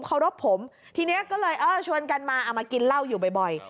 เคารพผมทีนี้ก็เลยเออชวนกันมาเอามากินเหล้าอยู่บ่อย